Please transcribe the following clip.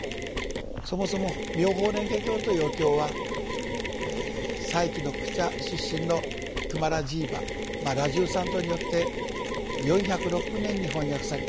そもそも「妙法蓮華経」というお経は西域のクチャ出身のクマラジーヴァ羅什三蔵によって４０６年に翻訳された。